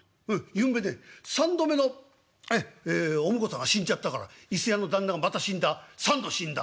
ゆんべね３度目のお婿さんが死んじゃったから伊勢屋の旦那がまた死んだ３度死んだ」。